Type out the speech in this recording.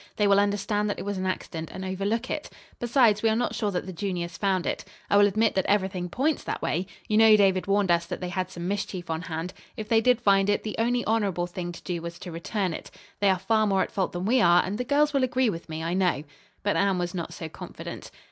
They will understand that it was an accident, and overlook it. Besides, we are not sure that the juniors found it. I will admit that everything points that way. You know David warned us that they had some mischief on hand. If they did find it, the only honorable thing to do was to return it. They are far more at fault than we are, and the girls will agree with me, I know." But Anne was not so confident.